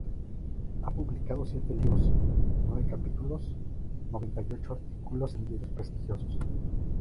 Ha publicado siete libros, veintinueve capítulos, noventa y ocho artículos en diarios prestigiosos.